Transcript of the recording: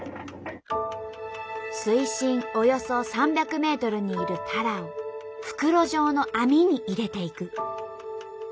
水深およそ３００ｍにいるタラを袋状の網に入れていく。